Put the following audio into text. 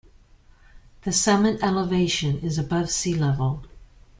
The summit elevation is above sea-level.